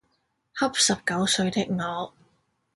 恰十九歲的我